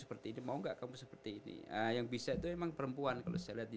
seperti ini mau nggak kamu seperti ini yang bisa itu memang perempuan kalau saya lihat di